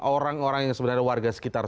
orang orang yang sebenarnya warga sekitar